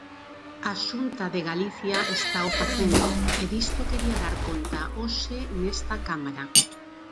A Xunta de Galicia estao facendo, e disto quería dar conta hoxe nesta Cámara.